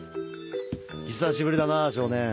久しぶりだなあ少年。